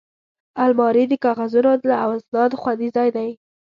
الماري د کاغذونو او اسنادو خوندي ځای دی